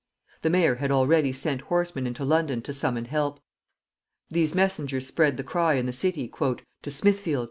The mayor had already sent horsemen into London to summon help. These messengers spread the cry in the city, "TO SMITHFIELD!